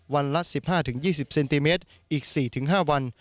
วันละสิบห้าถึงยี่สิบเซนติเมตรอีกสี่ถึงห้าวัน